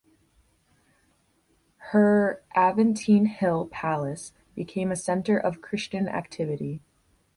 Her Aventine Hill palace became a center of Christian activity.